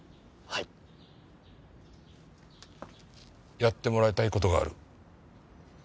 やってもらいたい事がある。